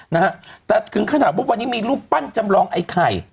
นะฮะแต่ถึงขนาดว่าวันนี้มีรูปปั้นจำลองไอ้ไข่